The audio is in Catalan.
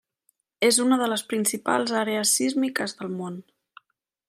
És una de les principals àrees sísmiques del món.